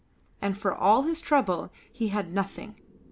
And for all his trouble he had nothing.